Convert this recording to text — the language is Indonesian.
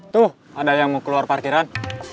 tuh ada yang mau keluar parkiran